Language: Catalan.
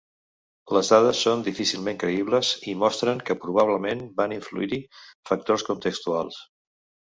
Les dades són difícilment creïbles i mostren que probablement van influir-hi factors contextuals.